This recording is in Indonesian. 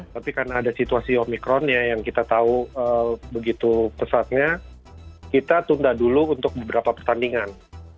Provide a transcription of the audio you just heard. tapi karena ada situasi omikronnya yang kita tahu begitu pesatnya kita tunda dulu untuk beberapa pertandingan